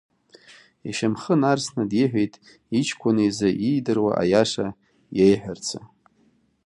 Ишьамхы нарсны диҳәеит иҷкәын изы иидыруа аиаша иеиҳәарацы.